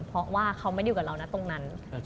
เพราะว่าเขาไม่ได้อยู่กับเรานะตรงนั้น